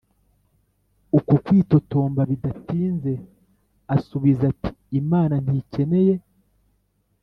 ukwo kwitotomba, bidatinze asubiza ati: “imana ntikeneye